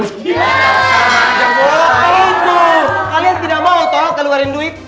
jangan bohong kalian tuh kalian tidak mau toh keluarin duit